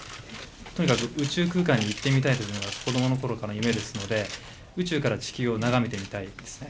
とにかく宇宙空間に行ってみたいというのが子どもの頃から夢ですので宇宙から地球を眺めてみたいですね。